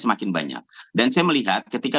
semakin banyak dan saya melihat ketika